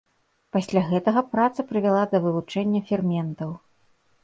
Пасля гэтая праца прывяла да вывучэння ферментаў.